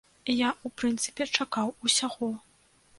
Я, у прынцыпе, чакаў усяго.